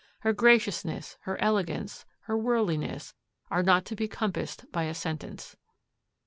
Her graciousness, her elegance, her worldliness, are not to be compassed by a sentence.